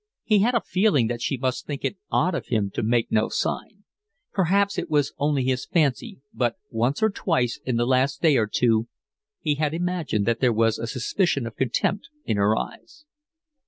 He had a feeling that she must think it odd of him to make no sign: perhaps it was only his fancy, but once or twice in the last day or two he had imagined that there was a suspicion of contempt in her eyes.